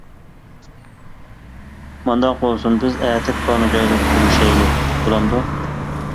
مانداق بولسۇن بىز ئەتە كونا جايدا كۈرىشەيلى بۇلامدۇ!